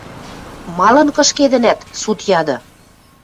– Малын кышкедӹнӓт? – суд яды.